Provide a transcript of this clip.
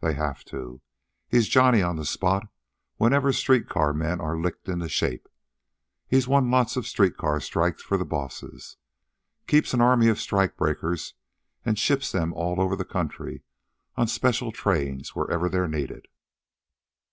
They have to. He's Johnny on the Spot whenever street car men are licked into shape. He's won lots of street car strikes for the bosses. Keeps an army of strike breakers an' ships them all over the country on special trains wherever they're needed.